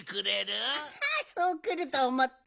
そうくるとおもった。